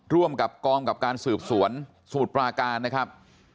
ร่วมกับกองกับการสืบสวนสมุทรปราการนะครับ